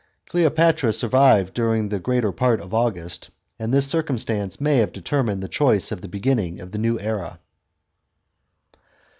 Cleopatra L dining the greater part of August, and this circumstance may 3^0 determined the choice of the beginning of the new era.